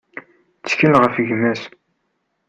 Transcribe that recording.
Tettkel ɣef gma-s.